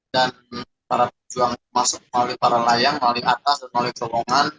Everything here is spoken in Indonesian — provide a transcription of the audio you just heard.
dan para pejuang masuk melalui para layang melalui atas melalui perlombongan